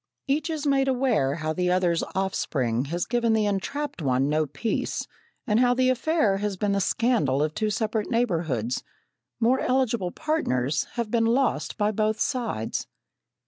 Each is made aware how the other's offspring has given the entrapped one no peace, and how the affair has been the scandal of two separate neighbourhoods, more eligible partners having been lost by both sides.